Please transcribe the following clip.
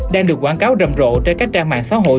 đang được quảng cáo rầm rộ trên các trang mạng xã hội